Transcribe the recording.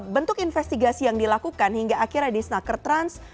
bentuk investigasi yang dilakukan hingga akhirnya di snackertrans